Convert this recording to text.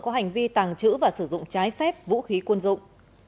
có hành vi tàng trữ và sử dụng trái phép vũ khí quân dụng